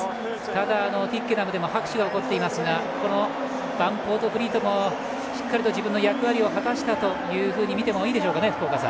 ただ、トゥイッケナムでも拍手が起こっていますがバンポートフリートもしっかり自分の役割を果たしたと見てもいいでしょうかね。